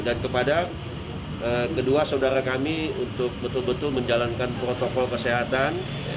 dan kepada kedua saudara kami untuk betul betul menjalankan protokol kesehatan